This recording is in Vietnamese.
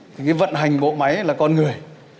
thì cái vận hành bộ máy là con người